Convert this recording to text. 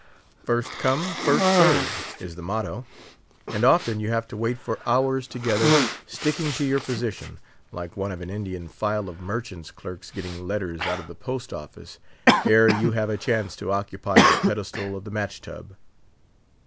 First come, first served, is the motto; and often you have to wait for hours together, sticking to your position (like one of an Indian file of merchants' clerks getting letters out of the post office), ere you have a chance to occupy the pedestal of the match tub.